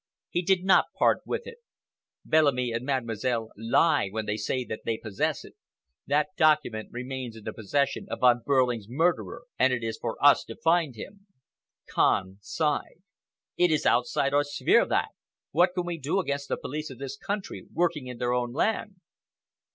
He did not part with it. Bellamy and Mademoiselle lie when they say that they possess it. That document remains in the possession of Von Behrling's murderer, and it is for us to find him." Kahn sighed. "It is outside our sphere—that. What can we do against the police of this country working in their own land?"